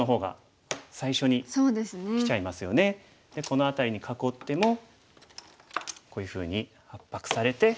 この辺りに囲ってもこういうふうに圧迫されて。